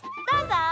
どうぞ！